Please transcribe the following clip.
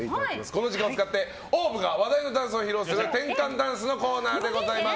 この時間を使ってＯＷＶが話題のダンスを披露する転換ダンスのコーナーです。